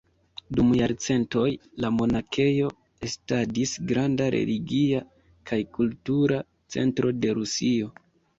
Dum jarcentoj la monakejo estadis granda religia kaj kultura centro de Rusio.